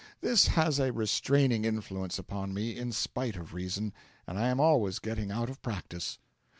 This has a restraining influence upon me in spite of reason, and I am always getting out of practice.